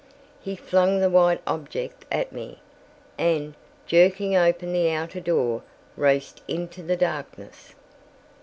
He flung the white object at me, and, jerking open the outer door, raced into the darkness.